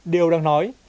điều đang nói